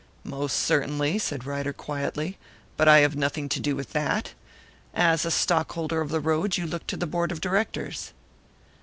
"Most certainly," said Ryder, quietly, "but I have nothing to do with that. As a stockholder of the road, you look to the board of directors."